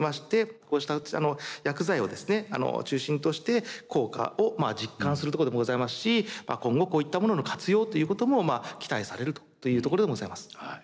こうした薬剤をですね中心として効果を実感するところでもございますし今後こういったものの活用ということも期待されるというところでもございます。